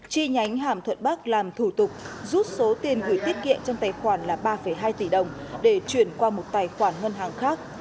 chi nhánh hàm thuận bắc làm thủ tục rút số tiền gửi tiết kiệm trong tài khoản là ba hai tỷ đồng để chuyển qua một tài khoản ngân hàng khác